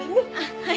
「はい」